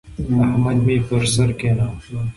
احمد مې پر سر کېناوو.